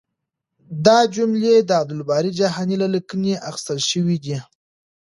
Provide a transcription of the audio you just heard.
دا جملې د عبدالباري جهاني له لیکنې اخیستل شوې دي.